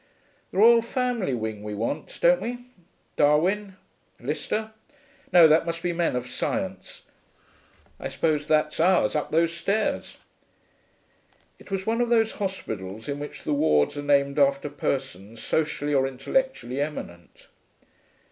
The Royal Family wing we want, don't we? Darwin, Lister.... No, that must be men of science. I suppose that's ours, up those stairs.' It was one of those hospitals in which the wards are named after persons socially or intellectually eminent.